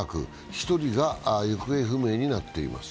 １人が行方不明になっています。